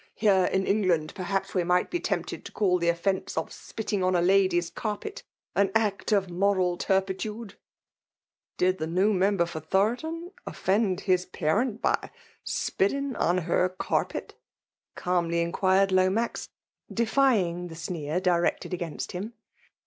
" Here, in England, perhaps we might be tempted to call the offence of spit ting on a lady*8 carpet, an act of moral tnr ' piWde/' '^ Did the new member for Thoroton oflbnd M» parent by spitting on her earpef ?'* cstlmly iftqvured Lomax, defying the sn^r difect€l<l against him.